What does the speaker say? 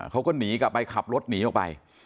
เขาก็หนีกลับไปขับรถหนีออกไป